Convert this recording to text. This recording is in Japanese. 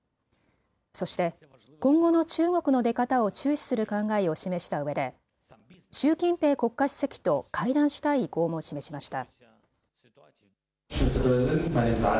そして今後の中国の出方を注視する考えを示したうえで習近平国家主席と会談したい意向も示しました。